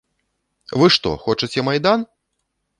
Вы што, хочаце майдан?